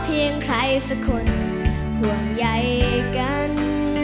ขอเพียงใครสักคนห่วงใยกัน